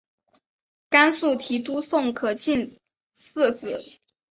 甘肃提督宋可进嗣子。